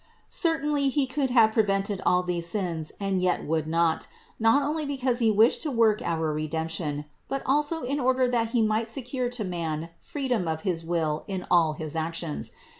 Certainly He could have prevented all these sins and yet would not ; not only because He wished to work our Redemption, but also in order that He might secure to man freedom of his will in all his actions.